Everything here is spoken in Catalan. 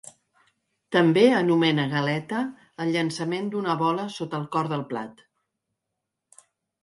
També anomena "galeta" al llançament d'una bola sota el cor del plat.